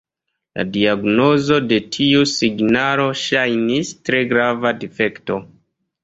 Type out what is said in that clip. La diagnozo de tiu signalo ŝajnis tre grava difekto.